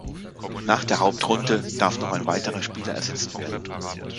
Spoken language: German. Nach der Hauptrunde darf noch ein weiterer Spieler ersetzt werden.